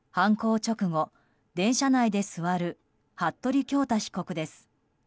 犯行直後、電車内で座る服部恭太被告です。